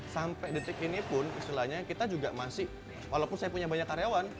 sampai detik ini pun istilahnya kita juga masih walaupun saya punya banyak karyawan